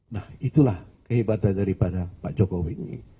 nah itulah kehebatan daripada pak jokowi ini